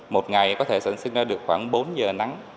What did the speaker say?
một ngày có thể sản sinh ra được khoảng bốn giờ nắng